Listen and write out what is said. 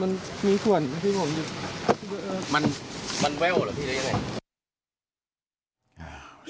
มันมีส่วนมันเว้าเหรอพี่เรน